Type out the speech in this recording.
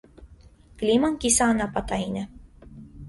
Կլիման կիսաանապատային է։